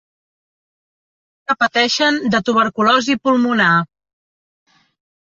Que pateixen de tuberculosi pulmonar.